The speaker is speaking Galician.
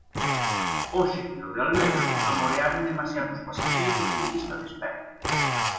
Hoxe no de Alvedro amorearon demasiados pasaxeiros en lista de espera.